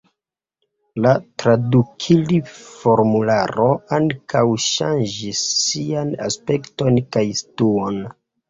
La tradukil-formularo ankaŭ ŝanĝis sian aspekton kaj situon.